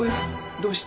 どうして？